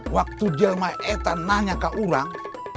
waktu jelma itu nanya ke orang